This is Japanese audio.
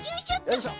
よいしょ！